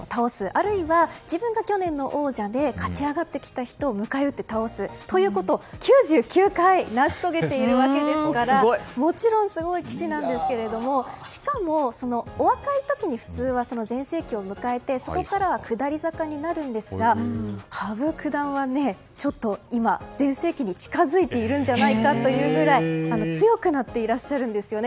あるいは、自分が去年の王者で勝ち上がってきた人を迎え撃って倒すということを９９回成し遂げているわけですからもちろんすごい棋士なんですけれどもしかも、お若い時に普通は全盛期を迎えてそこから下り坂になるんですが羽生九段はちょっと今全盛期に近づいているんじゃないかというくらい強くなっていらっしゃるんですね。